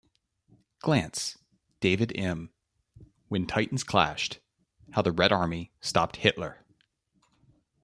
Glantz, David M. "When Titans Clashed: How the Red Army stopped Hitler".